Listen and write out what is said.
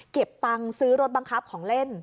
เก็บตังค์ซื้อรถบังคับของเล่น